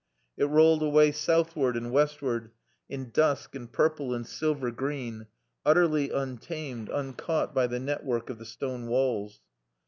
It rolled away southward and westward, in dusk and purple and silver green, utterly untamed, uncaught by the network of the stone walls.